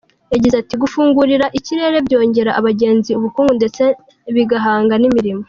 Yagize ati “Gufungurirana ikirere byongera abagenzi, ubukungu ndetse bigahanga n’imirimo.